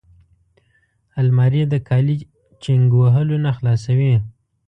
الماري د کالي چینګ وهلو نه خلاصوي